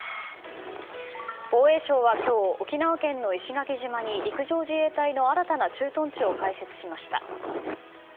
防衛省は今日、沖縄県の石垣島に陸上自衛隊の新たな駐屯地を開設しました。